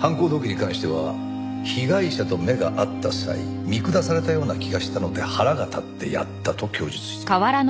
犯行動機に関しては被害者と目が合った際見下されたような気がしたので腹が立ってやったと供述している。